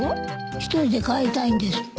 １人で帰りたいんですって。